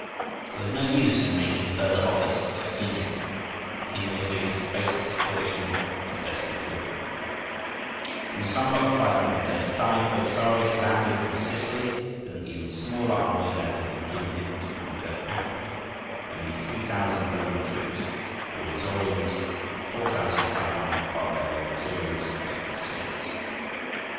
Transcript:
There was no use in making further offers to Justinian, and the king of Italy had to face the situation as best he could. In the summer of 535, Belisarius landed in Sicily, with an even smaller army than had been given him to conquer Africa—only 3,000 Roman troops, all Isaurians, and 4,500 barbarian auxiliaries of different sorts.